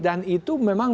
dan itu memang